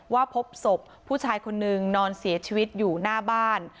พบศพผู้ชายคนนึงนอนเสียชีวิตอยู่หน้าบ้าน